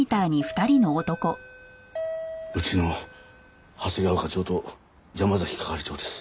うちの長谷川課長と山崎係長です。